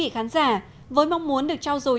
nhìn nhìn nhìn nhìn